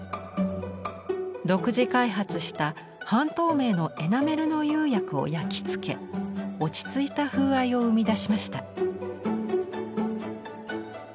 独自開発した半透明のエナメルの釉薬を焼き付け落ち着いた風合いを生み出しました。